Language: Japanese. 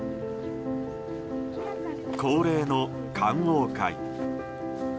恒例の観桜会。